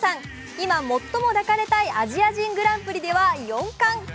今最も抱かれたいアジア人グランプリでは４冠。